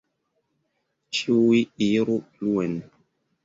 Ĉiuj iru pluen!